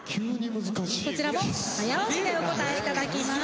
こちらも早押しでお答え頂きます。